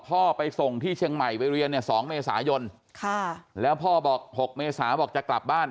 พ่อไปส่งที่เชียงใหม่ไปเรียนเนี่ย๒เมษายนค่ะแล้วพ่อบอก๖เมษาบอกจะกลับบ้าน